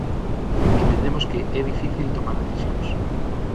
Entendemos que é difícil tomar decisións.